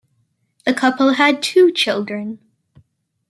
The couple had two children.